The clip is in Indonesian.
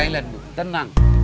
silent bu tenang